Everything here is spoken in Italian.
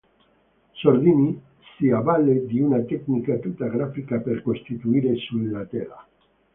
Sordini “si avvale di una tecnica tutta grafica per costituire sulla tela.